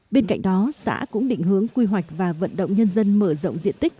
bên cạnh đó xã cũng định hướng quy hoạch và vận động nhân dân mở rộng diện tích